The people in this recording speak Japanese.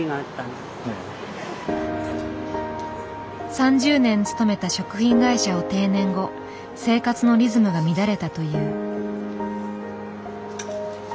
３０年勤めた食品会社を定年後生活のリズムが乱れたという。